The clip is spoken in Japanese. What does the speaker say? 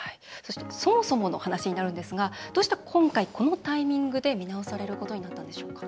そもそもの話になるんですが、どうしてこのタイミングで見直されることになったんでしょうか？